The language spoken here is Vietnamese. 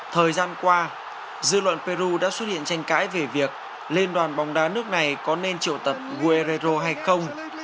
thời gian qua dư luận peru đã xuất hiện tranh cãi về việc liên đoàn bóng đá nước này có nên triệu tập uerrero hay không